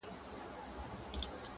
• نن لا د مُغان ډکه پیاله یمه تشېږمه ,